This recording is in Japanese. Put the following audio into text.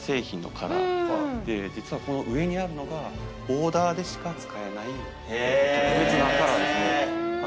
実はこの上にあるのがオーダーでしか使えない特別なカラーですね。